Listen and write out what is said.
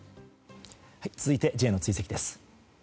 続いてＪの追跡です。